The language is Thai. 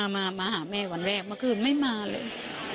มาหาแม่วันแรกเมื่อคืนไม่มาเลย